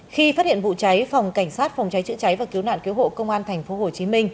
khi phát hiện vụ cháy phòng cảnh sát phòng cháy chữa cháy và cứu nạn cứu hộ công an tp hcm